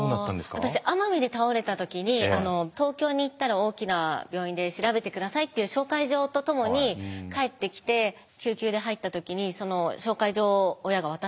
私奄美で倒れた時に東京に行ったら大きな病院で調べて下さいっていう紹介状と共に帰ってきて救急で入った時にその紹介状を親が渡したんですね。